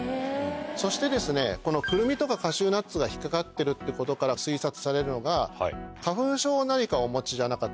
そしてこのクルミとかカシューナッツが引っかかってるってことから推察されるのが花粉症何かお持ちじゃなかったでしたっけ？